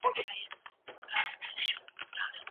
امیر دوست محمد خان د سدوزو کورنۍ ماته کړه.